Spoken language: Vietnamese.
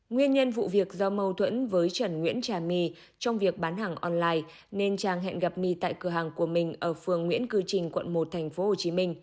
nguyên nhân vụ việc do mâu thuẫn với trần nguyễn trà my trong việc bán hàng online nên trang hẹn gặp my tại cửa hàng của mình ở phường nguyễn cư trình quận một tp hcm